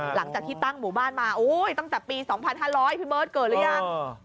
หลังจากที่ตั้งหมู่บ้านมาโอ้ยตั้งแต่ปี๒๕๐๐พี่เบิร์ตเกิดหรือยัง